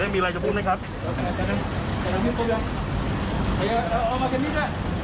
เมฆมีอะไรจะพูดไหมครับ